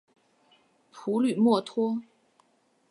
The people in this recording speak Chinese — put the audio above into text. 普吕默托。